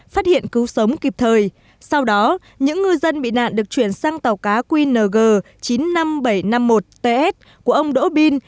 phát hiện cứu sống kịp thời sau đó những ngư dân bị nạn được chuyển sang tàu cá qng chín mươi năm nghìn bảy trăm năm mươi một ts của ông đỗ bin